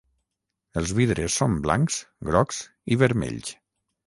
Els vidres són blancs, grocs i vermells.